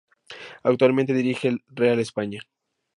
Actualmente dirige al Real España.